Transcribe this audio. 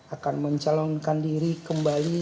akan mencalonkan diri kembali